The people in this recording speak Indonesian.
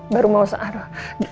baru mau aduh